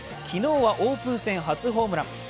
昨日はオープン戦初ホームラン。